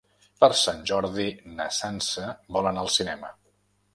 Per Sant Jordi na Sança vol anar al cinema.